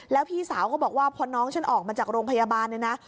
แล้วพี่สาวก็บอกว่าพอน้องฉันออกมาจากโรงพยาบาลเนี่ยนะ